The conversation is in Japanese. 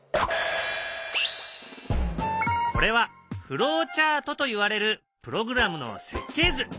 これはフローチャートといわれるプログラムの設計図。